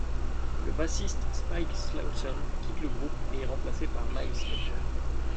Le bassiste Spike Slawson quitte le groupe et est remplacé par Miles Peck.